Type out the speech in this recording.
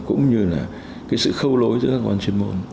cũng như là sự khâu lối giữa các cơ quan chuyên môn